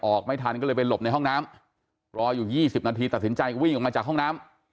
ไม่ทันก็เลยไปหลบในห้องน้ำรออยู่๒๐นาทีตัดสินใจวิ่งออกมาจากห้องน้ำ